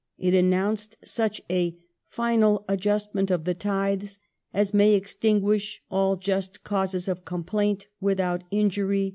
It announced such a " final adjustment of the tithes ... as may extinguish all just causes of complaint without injury